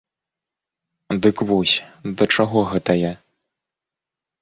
Дык вось, да чаго гэта я?